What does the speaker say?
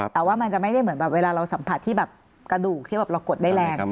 แต่ว่ามันจะไม่ได้เหมือนแบบเวลาเราสัมผัสที่แบบกระดูกที่แบบเรากดได้แรง